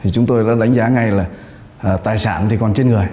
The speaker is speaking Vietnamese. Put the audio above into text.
chúng tôi đã đánh giá ngay là tài sản thì còn trên người